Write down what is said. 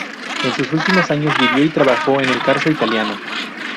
En sus últimos años vivió y trabajó en el Carso italiano.